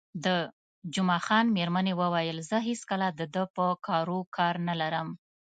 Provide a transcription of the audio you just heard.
د جمعه خان میرمنې وویل: زه هېڅکله د ده په کارو کار نه لرم.